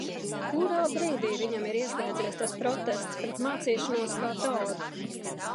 Kurā brīdī viņam ir ieslēdzies tas protests pret mācīšanos kā tādu?